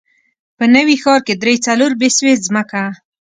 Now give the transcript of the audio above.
په نوي ښار کې درې، څلور بسوې ځمکه.